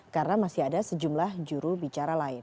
karena masih ada sejumlah juru bicara lain